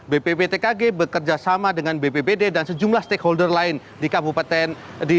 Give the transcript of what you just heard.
bpptkg bekerja sama dengan bppd dan sejumlah stakeholder lain di kabupaten